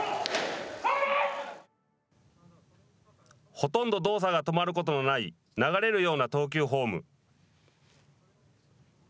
ほとんど動作が止まることのない流れるような投球フォーム。